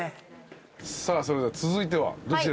さあそれでは続いてはどちらに？